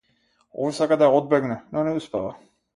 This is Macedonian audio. Овој сака да ја одбегне, но не успева.